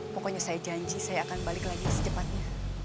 pokoknya saya janji saya akan balik lagi secepatnya